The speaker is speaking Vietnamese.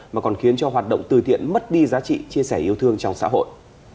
mà còn khiến cho hoạt động từ thiện mất đi giá trị chia sẻ yêu thương trong xã hội